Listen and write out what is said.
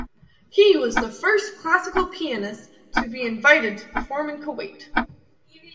He was the first classical pianist to be invited to perform in Kuwait.